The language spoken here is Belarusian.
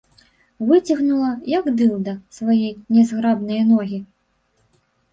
Выцягнула, як дылда, свае нязграбныя ногі.